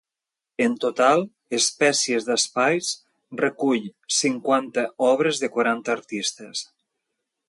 En total ‘Espècies d’espais’ recull cinquanta obres de quaranta artistes.